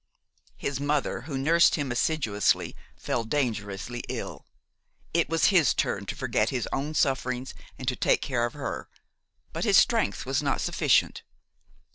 His mother, who nursed him assiduously, fell dangerously ill; it was his turn to forget his own sufferings and to take care of her; but his strength was not sufficient.